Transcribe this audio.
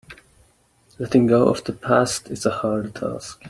Letting go of the past is a hard task.